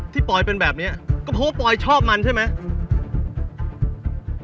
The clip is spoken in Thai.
ปอยเป็นแบบนี้ก็เพราะว่าปอยชอบมันใช่ไหม